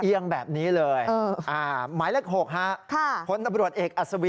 เอียงแบบนี้เลย